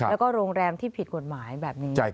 แล้วก็โรงแรมที่ผิดกฎหมายแบบนี้